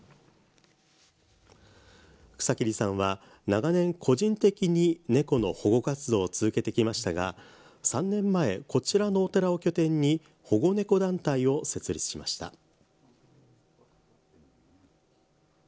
草切さんは長年、個人的に猫の保護活動を続けてきましたが３年前、こちらのお寺を拠点に保護猫団体を設立しました。